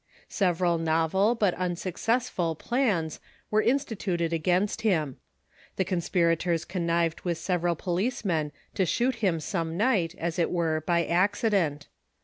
Several novel, but unsuccessful, plans were instituted against him. The conspirators connived with several policemen to shoot him some night, as it were, by accident.